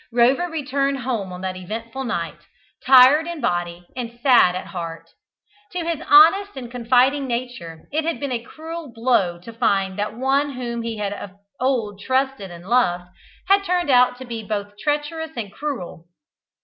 Rover returned home on that eventful night tired in body and sad at heart. To his honest and confiding nature it had been a cruel blow to find that one whom he had of old trusted and loved had turned out to be both treacherous and cruel.